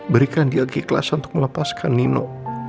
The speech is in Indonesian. berikan dia keikhlasan untuk melepaskan nino